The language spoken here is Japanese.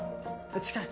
近い。